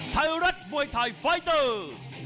ไทยรัฐมวยไทยไฟเตอร์